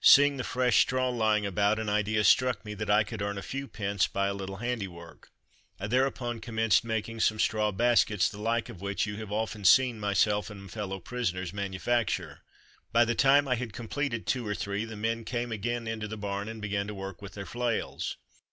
Seeing the fresh straw lying about, an idea struck me that I could earn a few pence by a little handiwork. I thereupon commenced making some straw baskets, the like of which you have often seen myself and fellow prisoners manufacture. By the time I had completed two or three the men came again into the barn and began to work with their flails.